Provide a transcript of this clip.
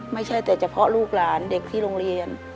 ไม่ใช่แต่เฉพาะลูกหลานเด็กที่โรงเรียน